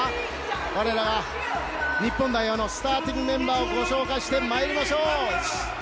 我らが日本代表のスターティングメンバーをご紹介しましょう。